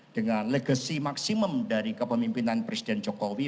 dengan legasi maksimum dari kepemimpinan presiden jokowi